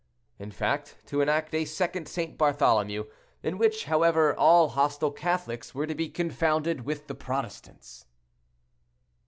In fact, to enact a second St. Bartholomew; in which, however, all hostile Catholics were to be confounded with the Protestants.